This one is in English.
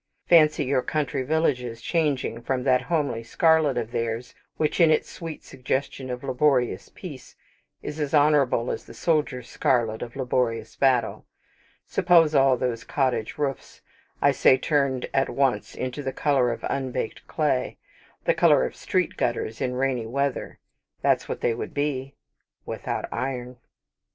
Fancy your country villages changing from that homely scarlet of theirs which, in its sweet suggestion of laborious peace, is as honourable as the soldiers' scarlet of laborious battle suppose all those cottage roofs, I say, turned at once into the colour of unbaked clay, the colour of street gutters in rainy weather. That's what they would be, without iron.